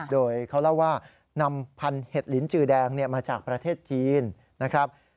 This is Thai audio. โดยเขาเล่าว่านำพันธุ์เห็ดลิ้นจือแดงมาจากประเทศจีนนะครับ